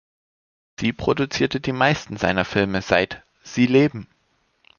Sie produzierte die meisten seiner Filme seit "Sie leben!